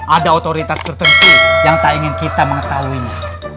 ada otoritas tertentu yang tak ingin kita mengetahuinya